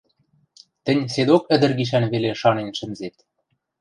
Тӹнь седок ӹдӹр гишӓн веле шанен шӹнзет...